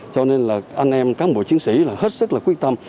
cho nên là anh em cán bộ chiến sĩ là hết sức là quyết tâm